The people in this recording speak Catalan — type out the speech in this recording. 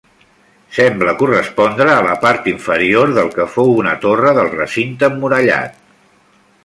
Sembla correspondre a la part inferior del que fou una torre del recinte emmurallat.